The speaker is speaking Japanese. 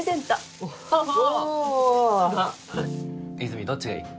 和泉どっちがいい？